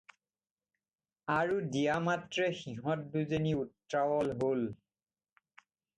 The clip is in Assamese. আৰু দিয়া মাত্ৰে সিহঁত দুজনী উত্ৰাৱল হ'ল।